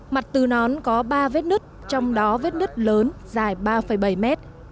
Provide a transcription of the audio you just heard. mặt từ nón có ba vết nứt trong đó vết nứt lớn dài ba bảy mét